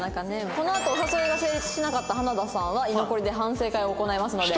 このあとお誘いが成立しなかった花田さんは居残りで反省会を行いますので。